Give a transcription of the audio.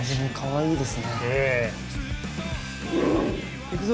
いくぞ。